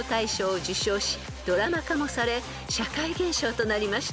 ［ドラマ化もされ社会現象となりました］